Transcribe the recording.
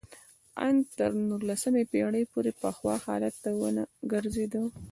ان تر نولسمې پېړۍ پورې پخوا حالت ته ونه ګرځېده